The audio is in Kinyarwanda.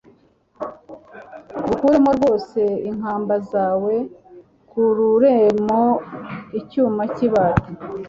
ngukuremo rwose inkamba za we, nkuruaremo icyuma cy'ibati.»